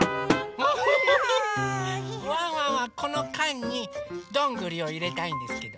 ワンワンはこのかんにどんぐりをいれたいんですけど。